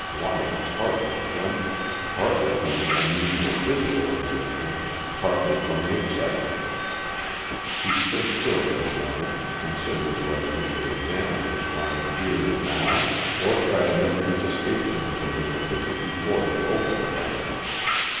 Lyon's heart was jumping, partly from the unusual physical exertion, partly from the excitement. He stood still for a moment, considering whether he should examine his find here and now, or try to make his escape from the building with it before he opened the bundle.